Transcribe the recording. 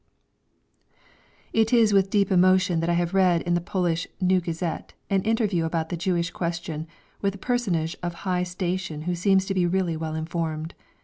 It is with deep emotion that I have read in the Polish New Gazette an interview about the Jewish question with a personage of high station who seems to be really well informed.